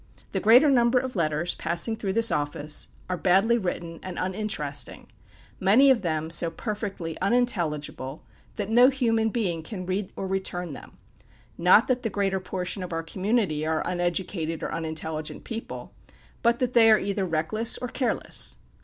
The greater number of letters passing through this office are badly written and uninteresting; many of them so perfectly unintelligible that no human being can read or return them; not that the greater portion of our community are uneducated or unintelligent people, but that they are either reckless or careless.